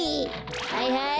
はいはい。